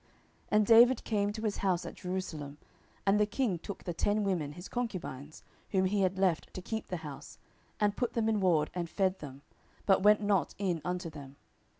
10:020:003 And David came to his house at Jerusalem; and the king took the ten women his concubines, whom he had left to keep the house, and put them in ward, and fed them, but went not in unto them.